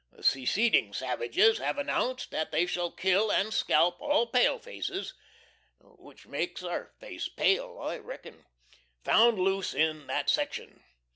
The seceding savages have announced that they shall kill and scalp all pale faces [which makes our face pale, I reckon] found loose in that section.